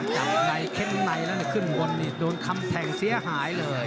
จับในเข้มในแล้วขึ้นบนนี่โดนคำแทงเสียหายเลย